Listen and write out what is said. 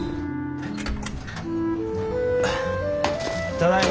ただいま。